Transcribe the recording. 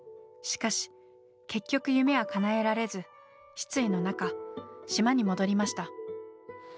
しかし結局夢はかなえられず失意の中島に戻りました。